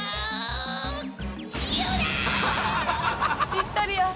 ぴったりや。